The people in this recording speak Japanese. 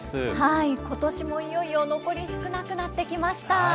ことしもいよいよ残り少なくなってきました。